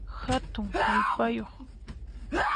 Hatun hallp'ayuq